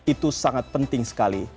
itu sangat penting sekali